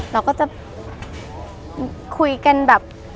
เราก็จะคุยกันแบบ